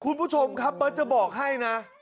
คุณผู้ชมครับเบิร์ตจะบอกให้นะ